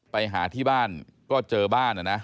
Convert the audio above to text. ไปหาที่บ้านก็เจอบ้านนะนะ